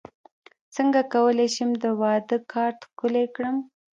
څنګه کولی شم د واده کارت ښکلی کړم